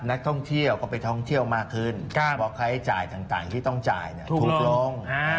นักท่องเที่ยวก็ไปท่องเที่ยวมากขึ้นเพราะค่าใช้จ่ายต่างที่ต้องจ่ายถูกลง